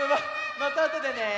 またあとでね！